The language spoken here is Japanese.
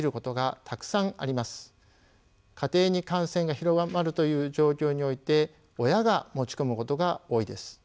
家庭に感染が広まるという状況において親が持ち込むことが多いです。